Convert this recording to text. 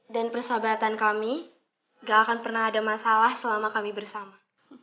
dan persahabatan kami gak akan pernah ada masalah selama kami bersama